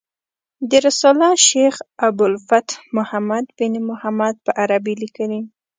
دا رساله شیخ ابو الفتح محمد بن محمد په عربي لیکلې.